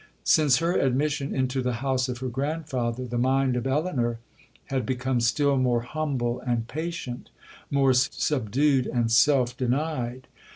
Since her admission into the house of her grandfather, the mind of Elinor had become still more humble and patient,—more subdued and self denied.